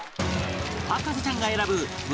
博士ちゃんが選ぶ胸